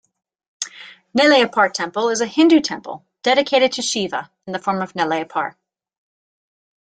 Nellaiappar Temple is a Hindu temple dedicated to Shiva in the form of Nellaiappar.